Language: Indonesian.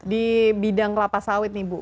di bidang kelapa sawit nih bu